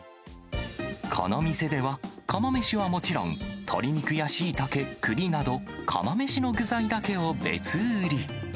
この店では、釜めしはもちろん、鶏肉やしいたけ、栗など釜めしの具材だけを別売り。